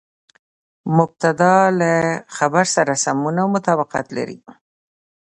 مبتداء له خبر سره سمون او مطابقت لري.